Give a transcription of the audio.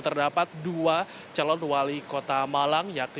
terdapat dua calon wale kota malang yakni